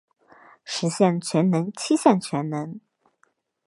十项全能七项全能